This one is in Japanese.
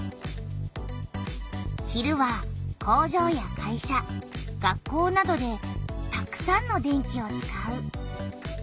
昼は工場や会社学校などでたくさんの電気を使う。